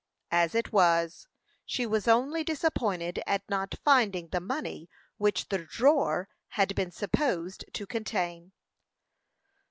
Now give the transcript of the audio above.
As it was, she was only disappointed at not finding the money which the drawer had been supposed to contain.